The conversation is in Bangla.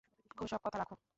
ও-সব কথা রাখো।